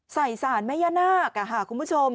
ใส่สานแม่นาค